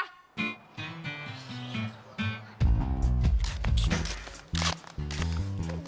oh apaan sih nya